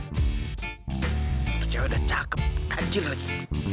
itu cewek udah cakep tajir lagi